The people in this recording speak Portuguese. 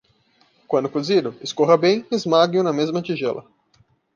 Quando cozido, escorra bem e esmague-o na mesma tigela.